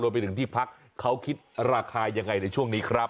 ไปถึงที่พักเขาคิดราคายังไงในช่วงนี้ครับ